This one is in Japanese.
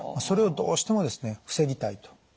それをどうしてもですね防ぎたいと。